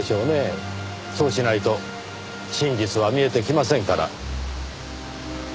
そうしないと真実は見えてきませんから。